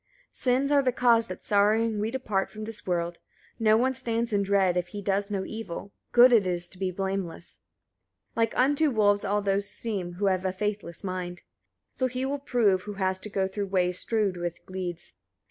Sins are the cause that sorrowing we depart from this world: no one stands in dread, if he does no evil: good it is to be blameless. 31. Like unto wolves all those seem who have a faithless mind: so he will prove who has to go through ways strewed with gleeds. 32.